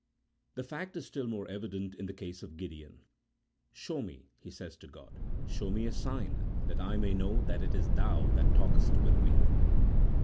The fact is still more evident in the case of Gideon :" Show me," he says to God, " show me a sign, that I may know that it is Thou that talkest with me."